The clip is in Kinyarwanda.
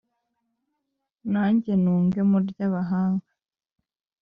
nange nunge mu ry’abahanga,